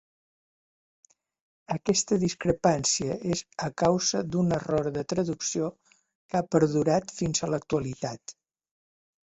Aquesta discrepància és a causa d'un error de traducció que ha perdurat fins a l'actualitat.